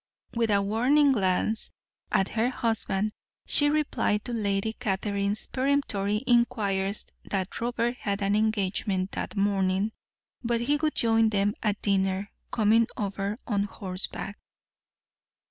With a warning glance at her husband, she replied to Lady Catherine's peremptory inquiries that Robert had an engagement that morning, but he would join them at dinner, coming over on horseback.